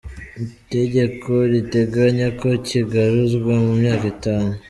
Itegeko riteganya ko kigaruzwa mu myaka itanu.